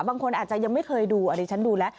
บางคนอาจจะยังไม่เคยดูอันนี้ฉันดูแล้ว